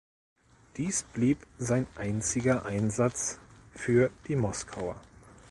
Dies blieb sein einziger Einsatz für die Moskauer.